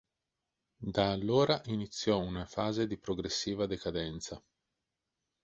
Da allora iniziò una fase di progressiva decadenza.